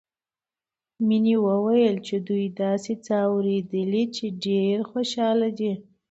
مينې وويل چې دوي داسې څه اورېدلي چې ډېرې خوشحاله دي